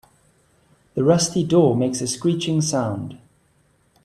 The rusty door makes a screeching sound.